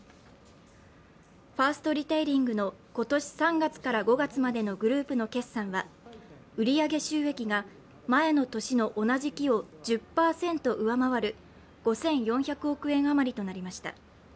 ファーストリテイリングの今年３月から５月までのグループの決算は売上収益が前の年の同じ期を１０％上回る５４００億円余りとなりました。